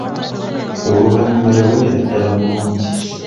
Oluvanyuma yawonera ddala bulungi.